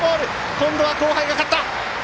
今度は後輩が勝った！